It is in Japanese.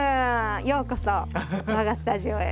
ようこそ我がスタジオへ。